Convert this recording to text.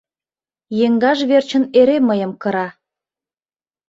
Еҥгаж верчын эре мыйым кыра...